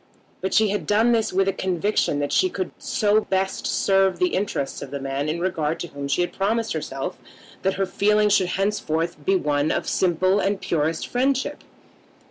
But she had done this with a conviction that she could so best serve the interests of the man in regard to whom she had promised herself that her feeling should henceforth be one of simple and purest friendship.